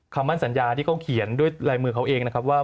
คำมั่นสัญญาที่เขาเขียนด้วยลายมือเขาเองนะครับว่า